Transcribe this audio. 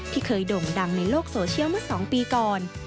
ที่เคยด่งดังในโลกโซเชียลเมื่อ๒ปีก่อน